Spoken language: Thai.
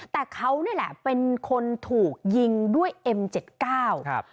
แต่เขานี่แหละเป็นคนถูกยิงด้วยเอ็มเจ็ดเก้าครับ